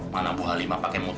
mana bu halimah pake mutusnya